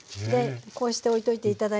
こうして置いておいて頂いて。